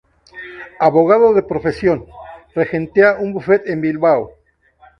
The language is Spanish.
Abogado de profesión, regenta un bufete en Bilbao.